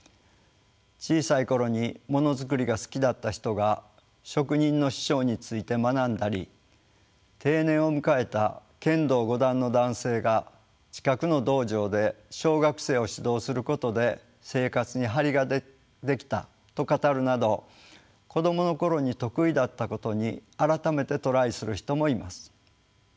小さい頃にモノ作りが好きだった人が職人の師匠について学んだり定年を迎えた剣道五段の男性が近くの道場で小学生を指導することで生活に張りが出来たと語るなど子どもの頃に得意だったことに改めてトライする人もいます。